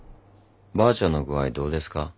ばあちゃんの具合どうですか？